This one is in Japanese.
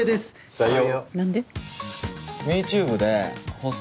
採用。